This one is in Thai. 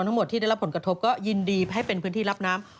ทั้งหมดที่ได้รับผลกระทบก็ยินดีให้เป็นพื้นที่รับน้ำ